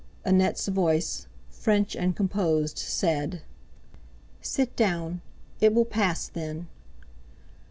Annette's voice, French and composed, said: "Sit down, it will pass, then."